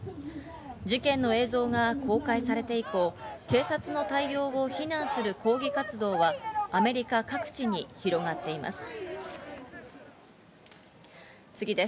事件の映像が公開されて以降、警察の対応を非難する抗議活動はアメリカ各地に広がっています。